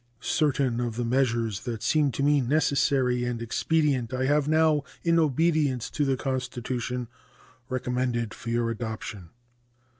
Certain of the measures that seem to me necessary and expedient I have now, in obedience to the Constitution, recommended for your adoption.